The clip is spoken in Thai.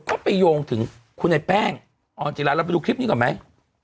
ก็ไปโยงถึงคุณไอ้แป้งออนจิลาเราไปดูคลิปนี้ก่อนไหม